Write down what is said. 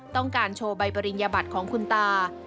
ต้องการโชว์ใบปริญญบัติของคุณตา